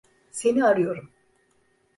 Seni arıyorum.